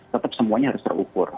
tetap semuanya harus terukur